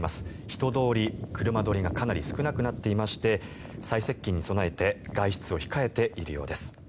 人通り、車通りがかなり少なくなっていまして最接近に備えて外出を控えているようです。